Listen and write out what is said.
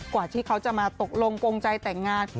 กว่าที่เขาจะมาตกลงกงใจแต่งงาน